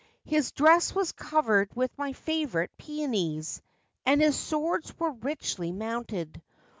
His dress was covered with my favourite peonies, and his swords were richly mounted.